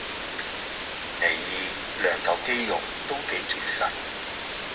你兩舊肌肉都幾結實